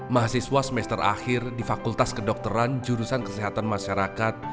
mahasiswa semester akhir di fakultas kedokteran jurusan kesehatan masyarakat